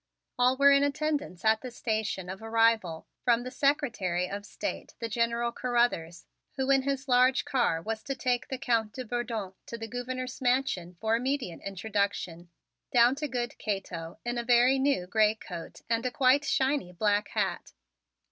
All were in attendance at the station of arrival, from the Secretary of State, the General Carruthers, who in his large car was to take the Count de Bourdon to the Gouverneur's Mansion for immediate introduction, down to good Cato in a very new gray coat and a quite shiny black hat.